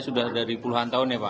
sudah dari puluhan tahun ya pak